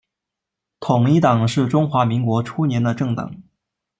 统一党是中华民国初年的政党。